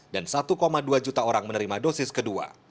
dan satu dua juta orang menerima dosis kedua